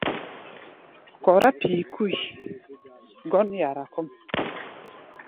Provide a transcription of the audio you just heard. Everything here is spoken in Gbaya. Kɔrá pi̧i̧ kui gɔ́n yara kɔ́ʼm.